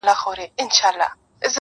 o اسان ئې نالول، چنگښو هم پښې پورته کړې.